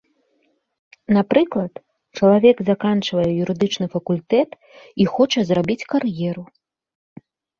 Напрыклад, чалавек заканчвае юрыдычны факультэт і хоча зрабіць кар'еру.